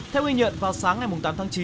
theo ghi nhận vào sáng ngày tám tháng chín